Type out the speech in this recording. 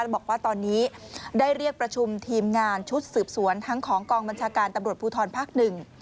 บอกว่าตอนนี้ได้เรียกประชุมทีมงานชุดสืบสวนทั้งของกองบัญชาการตำรวจภูทรภาคหนึ่ง